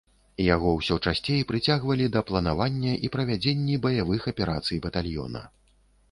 Яго ўсё часцей прыцягвалі да планавання і правядзенні баявых аперацый батальёна.